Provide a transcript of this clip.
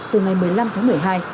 từ ngày một mươi năm tháng một mươi hai